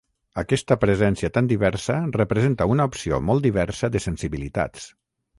Aquesta presència tan diversa representa una opció molt diversa de sensibilitats.